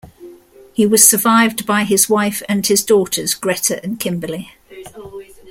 He was survived by his wife and his daughters Greta and Kimberly.